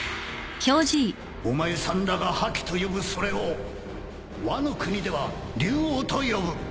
お前さんらが覇気と呼ぶそれをワノ国では流桜と呼ぶ